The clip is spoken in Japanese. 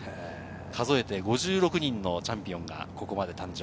数えて５６人のチャンピオンがここまで誕生。